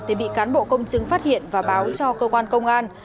thì bị cán bộ công chứng phát hiện và báo cho cơ quan công an